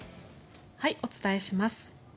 お伝えします。